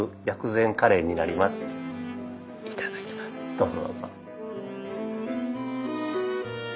どうぞ。